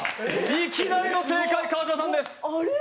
いきなりの正解、川島さんです！